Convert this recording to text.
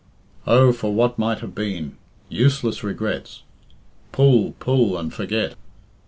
Oh, for what might have been! Useless regrets! Pull, pull, and forget.